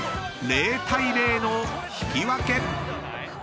［０対０の引き分け］